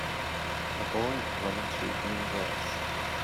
A boy running through green grass.